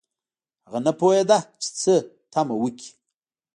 هغه نه پوهیده چې څه تمه وکړي